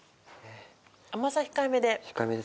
甘さ控えめで。